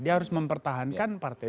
dia harus mempertahankan partai